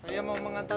saya mau mengantar